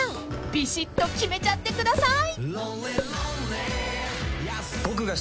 ［ビシッと決めちゃってください！］